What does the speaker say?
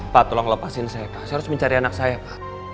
pak tolong lepasin saya pak saya harus mencari anak saya pak